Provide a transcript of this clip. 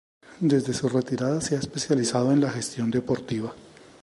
Desde su retirada se ha especializado en la gestión deportiva.